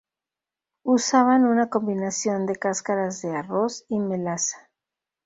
Usaban una combinación de cáscaras de arroz y melaza.